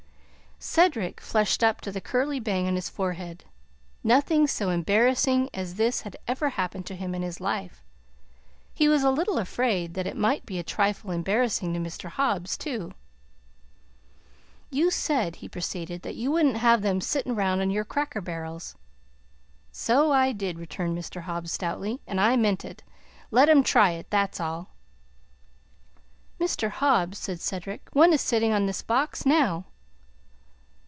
Cedric flushed up to the curly bang on his forehead. Nothing so embarrassing as this had ever happened to him in his life. He was a little afraid that it might be a trifle embarrassing to Mr. Hobbs, too. "You said," he proceeded, "that you wouldn't have them sitting 'round on your cracker barrels." "So I did!" returned Mr. Hobbs, stoutly. "And I meant it. Let 'em try it that's all!" "Mr. Hobbs," said Cedric, "one is sitting on this box now!"